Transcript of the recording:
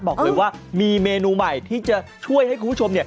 บอกเลยว่ามีเมนูใหม่ที่จะช่วยให้คุณผู้ชม